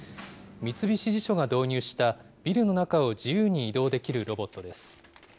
三菱地所が導入したビルの中を自由に移動できるロボットです。